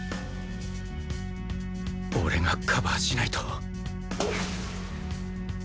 俺がカバーしないと